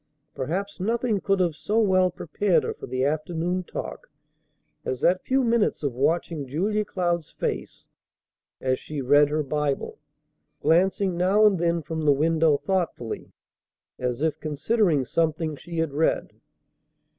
Perhaps nothing could have so well prepared her for the afternoon talk as that few minutes of watching Julia Cloud's face as she read her Bible, glancing now and then from the window thoughtfully, as if considering something she had read.